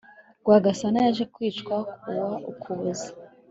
rwagasana yaje kwicwa ku wa ukuboza